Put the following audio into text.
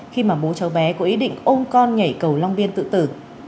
khi mà bố cháu bé có ý định ôm con nhảy cầu long biên tự tử